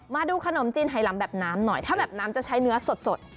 มาดูขนมจีนไฮลำแบบน้ำหน่อยถ้าแบบน้ำจะใช้เนื้อสด